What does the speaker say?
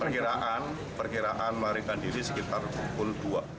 perkiraan perkiraan melarikan diri sekitar pukul dua